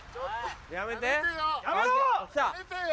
やめてよ。